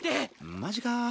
マジか。